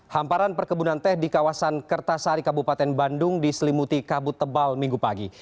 hamparan perkebunan teh di kawasan kertasari kabupaten bandung diselimuti kabut tebal minggu pagi